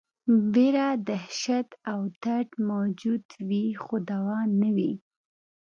ویره، دهشت او درد موجود وي خو دوا نه وي.